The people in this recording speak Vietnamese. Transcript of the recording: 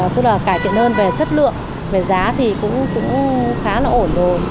tức là cải thiện hơn về chất lượng về giá thì cũng khá là ổn rồi